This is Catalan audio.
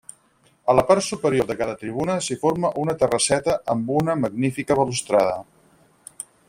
A la part superior de cada tribuna s'hi forma una terrasseta amb una magnífica balustrada.